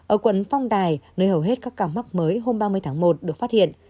ở quận phong đài nơi hầu hết các ca mắc mới hôm ba mươi tháng một được phát hiện